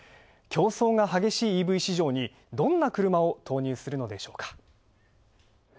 競争が激しいＥＶ市場にどんな車を投入するのでしょうか。